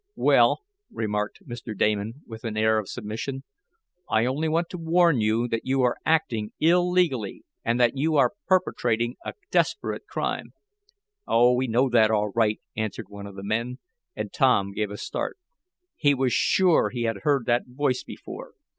"Well," remarked Mr. Damon with an air of submission, "I only want to warn you that you are acting illegally, and that you are perpetrating a desperate crime." "Oh, we know that all right," answered one of the men, and Tom gave a start. He was sure he had heard that voice before.